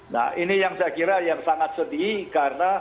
nah ini yang saya kira yang sangat sedih karena